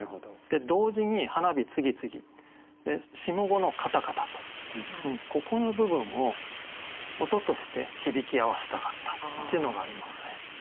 で同時に「花火つぎつぎ」下五の「かたかたと」ここの部分を音として響き合わせたかったっていうのがありますね。